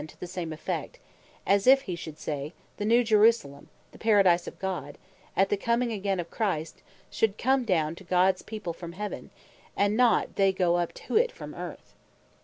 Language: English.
to the same effect: As if he should say, the new Jerusalem, the Paradise of God, at the coming again of Christ, should come down to Gods people from Heaven, and not they goe up to it from Earth.